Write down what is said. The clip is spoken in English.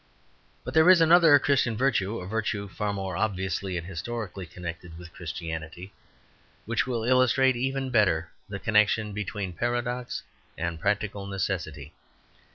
But there is another Christian virtue, a virtue far more obviously and historically connected with Christianity, which will illustrate even better the connection between paradox and practical necessity.